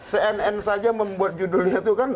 cnn saja membuat judulnya itu kan